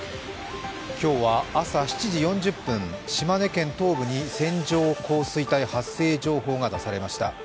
今日は、朝７時４０分、島根県東部に線状降水帯発生情報が出されました。